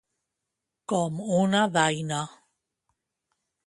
Com una daina.